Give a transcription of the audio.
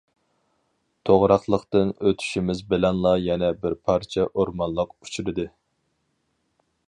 توغراقلىقتىن ئۆتۈشىمىز بىلەنلا يەنە بىر پارچە ئورمانلىق ئۇچرىدى.